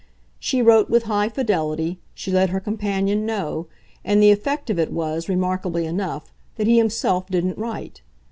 She wrote with high fidelity, she let her companion know, and the effect of it was, remarkably enough, that he himself didn't write.